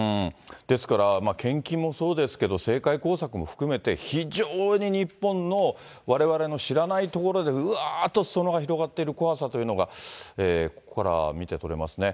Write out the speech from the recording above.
ですから、献金もそうですけど、政界工作も含めて、非常に日本の、われわれの知らないところでうわっとすそ野が広がっている怖さというのが、ここからは見て取れますね。